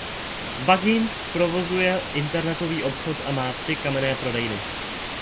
Bagind provozuje internetový obchod a má tři kamenné prodejny.